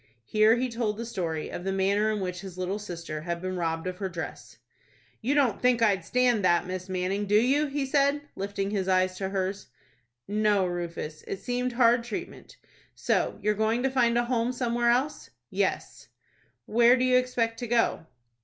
Here he told the story of the manner in which his little sister had been robbed of her dress. "You don't think I'd stand that, Miss Manning, do you?" he said, lifting his eyes to hers. "No, Rufus; it seemed hard treatment. So you're going to find a home somewhere else?" "Yes." "Where do you expect to go?"